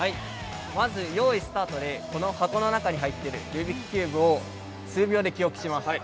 まずよーいスタートで、この箱の中に入っているルービックキューブを数秒で記憶します。